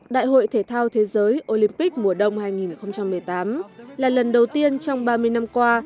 đại hội thể thao thế giới olympic mùa đông hai nghìn một mươi tám là lần đầu tiên trong ba mươi năm qua